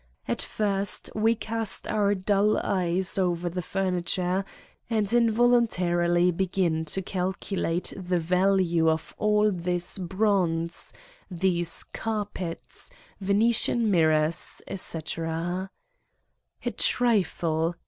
At first we cast our dull eyes over the furniture and involuntarily begin to calculate the value of all this bronze, these carpets, Vene tian mirrors, etc. "A trifle!"